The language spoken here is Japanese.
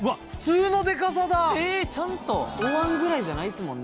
えっちゃんとお碗ぐらいじゃないっすもんね